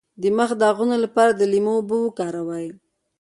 د مخ د داغونو لپاره د لیمو اوبه وکاروئ